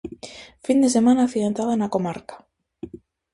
Fin de semana accidentada na comarca.